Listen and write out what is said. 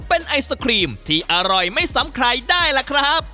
เป็นไอศครีมที่อร่อยไม่ซ้ำใครได้ล่ะครับ